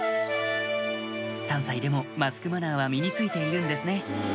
３歳でもマスクマナーは身に付いているんですね